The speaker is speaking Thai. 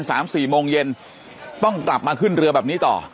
สามสี่โมงเย็นต้องกลับมาขึ้นเรือแบบนี้ต่อ